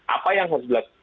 apa yang harus dilakukan